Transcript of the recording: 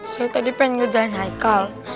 saya tadi pengen ngerjain haikal